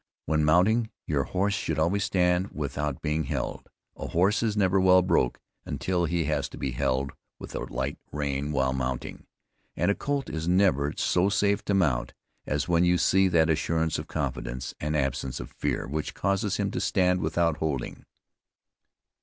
When mounting, your horse should always stand without being held. A horse is never well broke when he has to be held with a tight rein while mounting; and a colt is never so safe to mount, as when you see that assurance of confidence, and absence of fear, which causes him to stand without holding.